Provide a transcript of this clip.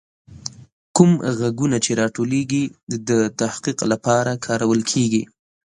کوم غږونه چې راټولیږي، د تحقیق لپاره کارول کیږي.